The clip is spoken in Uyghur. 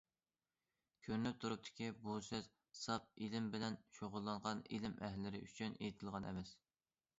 كۆرۈنۈپ تۇرۇپتۇكى، بۇ سۆز ساپ ئىلىم بىلەن شۇغۇللانغان ئىلىم ئەھلىلىرى ئۈچۈن ئېيتىلغان ئەمەس.